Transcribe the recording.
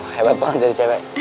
hebat banget jadi cewek